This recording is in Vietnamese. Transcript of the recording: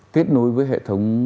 kết nối với hệ thống